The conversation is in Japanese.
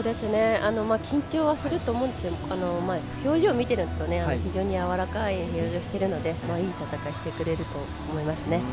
緊張はすると思うんですが表情を見ていると非常にやわらかい表情をしているのでいい戦いをしてくれると思います。